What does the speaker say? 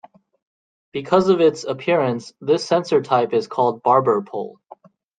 Because of its appearance, this sensor type is called 'barber pole'.